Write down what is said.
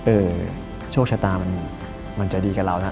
โชคชะตามันจะดีกับเรานะ